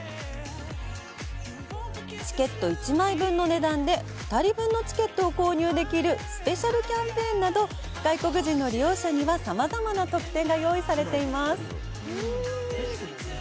チケット１枚分の値段で２人分のチケットを購入できるスペシャルキャンペーンなど、外国人の利用客にはさまざまな特典が用意されています。